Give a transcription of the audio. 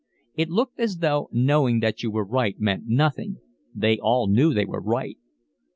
It looked as though knowing that you were right meant nothing; they all knew they were right.